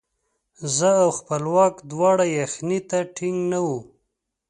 زه او خپلواک دواړه یخنۍ ته ټینګ نه وو.